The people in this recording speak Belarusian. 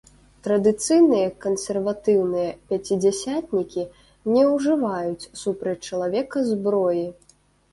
Традыцыйныя кансерватыўныя пяцідзясятнікі не ўжываюць супраць чалавека зброі.